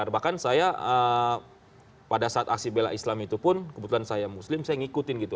bahkan saya pada saat aksi bela islam itu pun kebetulan saya muslim saya ngikutin gitu